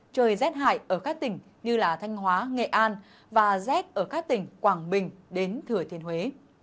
trời rét hại ở các tỉnh như thanh hóa nghệ an và rét ở các tỉnh quảng bình đến thừa thiên huế